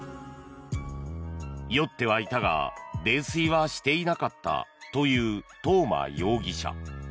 酔ってはいたが泥酔はしていなかったという東間容疑者。